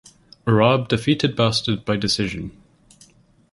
Urabe defeated Bastard by decision.